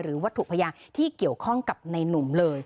วัตถุพยานที่เกี่ยวข้องกับในหนุ่มเลย